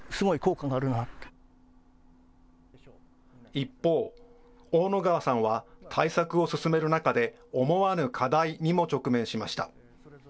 一方、大野川さんは対策を進める中で、思わぬ課題にも直面しました。